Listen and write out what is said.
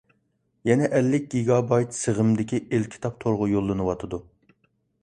يەنە ئەللىك گىگابايت سىغىمدىكى ئېلكىتاب تورغا يوللىنىۋاتىدۇ.